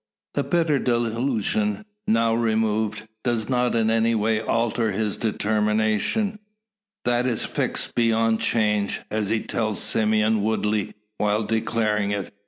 The bitter delusion, now removed, does not in any way alter his determination. That is fixed beyond change, as he tells Simeon Woodley while declaring it.